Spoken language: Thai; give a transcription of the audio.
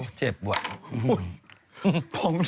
โอ้โฮเจ็บมาก